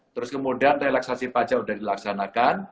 terus kemudian relaksasi pajak sudah dilaksanakan